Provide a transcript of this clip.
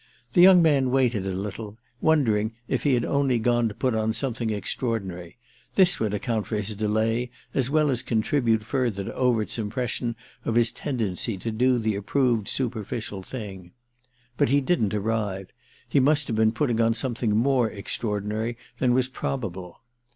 The young man waited a little, wondering if he had only gone to put on something extraordinary; this would account for his delay as well as contribute further to Overt's impression of his tendency to do the approved superficial thing. But he didn't arrive—he must have been putting on something more extraordinary than was probable.